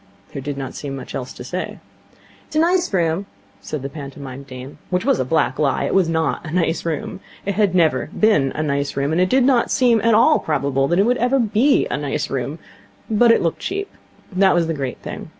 There did not seem much else to say. 'It's a nice room,' said the pantomime dame. Which was a black lie. It was not a nice room. It never had been a nice room. And it did not seem at all probable that it ever would be a nice room. But it looked cheap. That was the great thing.